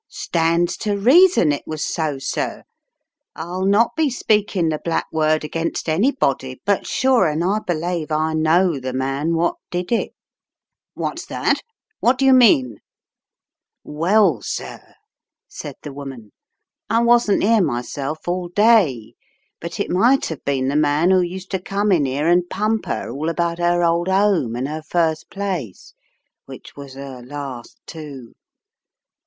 "Stands to reason it was so, sir. I'll not be speaking the black word against anybody, but sure an' I belave I know the man what did it " 78 In the Tiger's Clutches 79 "What's that? What do you mean? " "Well, sir," said the woman, "I wasn't 'ere myself all day, but it might have been the man who used to come in 'ere and pump 'er all about 'er old 'ome and 'er first place — which was 'er last, too.